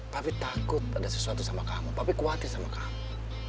tapi takut ada sesuatu sama kamu tapi khawatir sama kamu